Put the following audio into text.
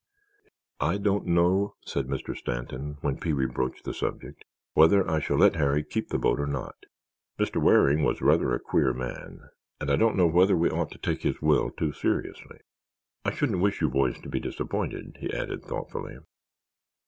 "I don't know," said Mr. Stanton, when Pee wee broached the subject, "whether I shall let Harry keep the boat or not. Mr. Waring was rather a queer man, and I don't know whether we ought to take his will too seriously. I shouldn't wish you boys to be disappointed," he added, thoughtfully.